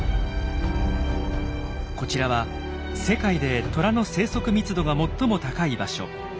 こちらは世界でトラの生息密度がもっとも高い場所